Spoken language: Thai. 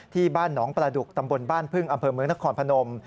ที่บ้านหนองประดุกตำบลบ้านพึ่งอำเภอเมืองนครพนม